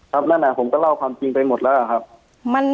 ครับแม่แม่ผมต้องเล่าความจริงไปหมดแล้วครับมันมัน